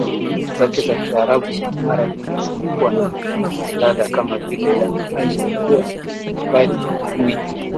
zake za kiarabu mara nyingi zimekuwa na ladha kama ile ya aliyekuwa mwimbaji gwiji